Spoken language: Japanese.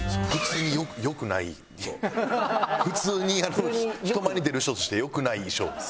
普通に人前に出る人として良くない衣装です。